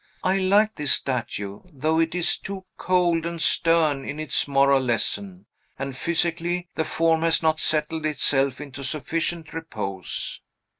I like this statue, though it is too cold and stern in its moral lesson; and, physically, the form has not settled itself into sufficient repose."